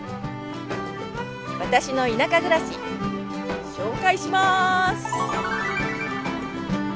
私の田舎暮らし紹介します！